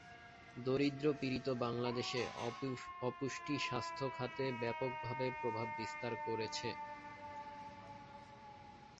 দারিদ্র-পীড়িত বাংলাদেশে অপুষ্টি স্বাস্থ্য খাতে ব্যাপকভাবে প্রভাব বিস্তার করেছে।